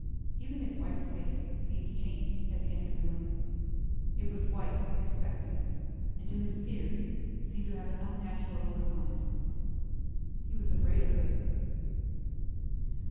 Even his wife's face seemed changed as he entered the room. It was white and expectant, and to his fears seemed to have an unnatural look upon it. He was afraid of her.